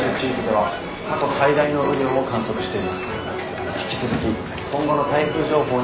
はい。